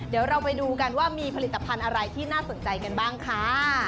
เดี๋ยวเราไปดูกันว่ามีผลิตภัณฑ์อะไรที่น่าสนใจกันบ้างค่ะ